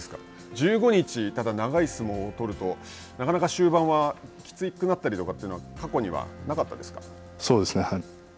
１５日、ただ長い相撲を取るとなかなか終盤は、きつくなったりとかというのは、過去にはなかっそうですね、はい。